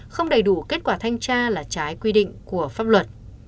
không đầy đủ kết quả thanh tra là trái quy định của pháp luật